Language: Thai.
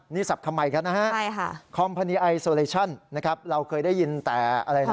นี่สับคำใหม่กันนะฮะคอมพานีไอโซเลชั่นนะครับเราเคยได้ยินแต่อะไรนะ